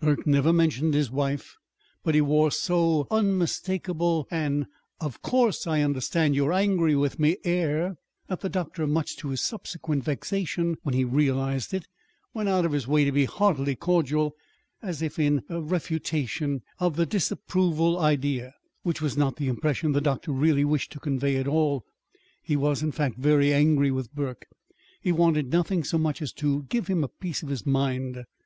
Burke never mentioned his wife; but he wore so unmistakable an "Of course I understand you are angry with me" air, that the doctor (much to his subsequent vexation when he realized it) went out of his way to be heartily cordial, as if in refutation of the disapproval idea which was not the impression the doctor really wished to convey at all. He was, in fact, very angry with Burke. He wanted nothing so much as to give him a piece of his mind.